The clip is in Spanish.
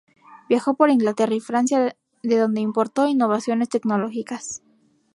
Viajó por Inglaterra y Francia de donde importó innovaciones tecnológicas.